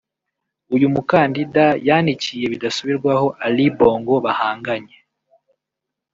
uyu mukandida yanikiye bidasubirwahop Ali Bongo bahanganye